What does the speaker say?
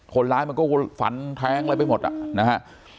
คนร้ายมันก็ฝันแท้งอะไรไปหมดอ่ะนะฮะ